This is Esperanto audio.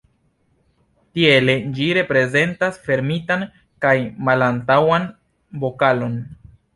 Tiele ĝi reprezentas fermitan kaj malantaŭan vokalon.